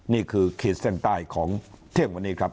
นี่คือเขตเส้นใต้ของเที่ยงวันนี้ครับ